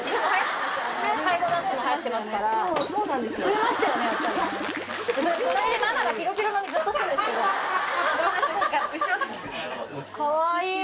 はい。